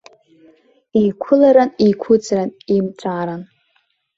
Еиқәыларан-еиқәыҵран, еимҵәаран.